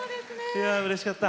いやうれしかった。